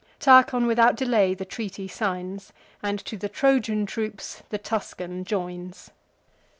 Tarchon, without delay, the treaty signs, And to the Trojan troops the Tuscan joins.